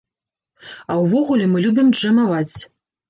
А ўвогуле мы любім джэмаваць.